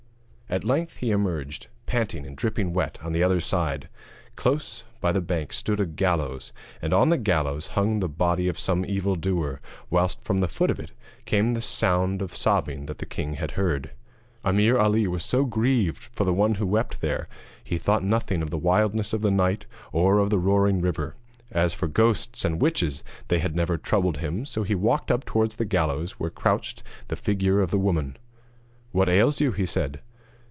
At length he emerged, panting and dripping wet, on the other side. Close by the bank stood a gallows, and on the gallows hung the body of some evildoer, whilst from the foot of it came the sound of sobbing that the king had heard. Ameer Ali was so grieved for the one who wept there that he thought nothing of the wildness of the night or of the roaring river. As for ghosts and witches, they had never troubled him, so he walked up towards the gallows where crouched the figure of the woman. 'What ails you?' he said.